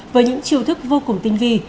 với những chiều thức vô cùng tinh vi